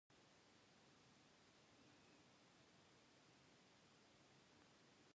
Plants breathe it in...